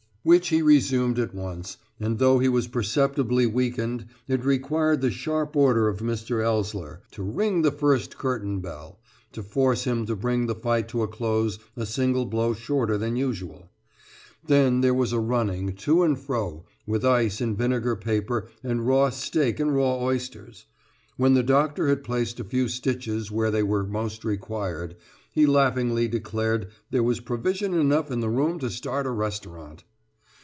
Which be resumed at once, and though he was perceptibly weakened, it required the sharp order of Mr. Ellsler, to "ring the first curtain bell," to force him to bring the fight to a close a single blow shorter than usual. Then there was a running to and fro, with ice and vinegar paper and raw steak and raw oysters. When the doctor had placed a few stitches where they were most required, he laughingly declared there was provision enough in the room to start a restaurant.